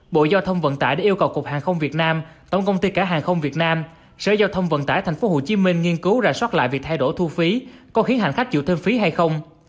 bộ giao thông vận tải đã yêu cầu cục hàng không việt nam tổng công ty cả hàng không việt nam sở giao thông vận tải tp hcm nghiên cứu rà soát lại việc thay đổi thu phí có khiến hành khách chịu thêm phí hay không